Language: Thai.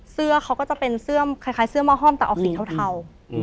เสื้อเขาก็จะเป็นเสื้อคล้ายเสื้อม่อห้อมแต่ออกสีเทา